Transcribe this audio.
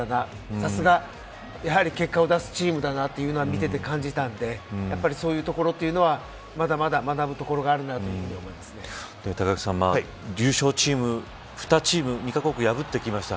さすが、やはり結果を出すチームだなというのは見ていて感じたのでそういうところというのはまだまだ、学ぶところがあるな隆行さん、優勝チーム２か国破ってきました。